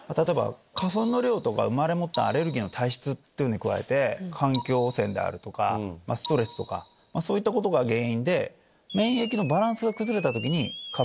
花粉の量とか生まれ持ったアレルギーの体質に加えて環境汚染とかストレスとかそういったことが原因で。